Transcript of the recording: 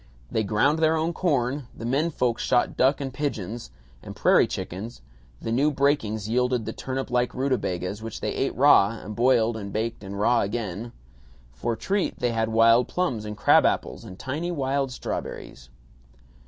They ground their own corn; the men folks shot ducks and pigeons and prairie chickens; the new breakings yielded the turnip like rutabagas, which they ate raw and boiled and baked and raw again. For treat they had wild plums and crab apples and tiny wild strawberries.